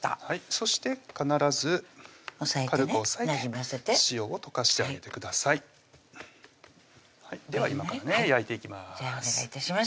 そして必ず軽く押さえて塩を溶かしてあげてくださいでは今からね焼いていきます